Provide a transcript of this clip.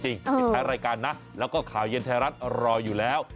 ปิดท้ายรายการนะแล้วก็ข่าวเย็นไทยรัฐรออยู่แล้ว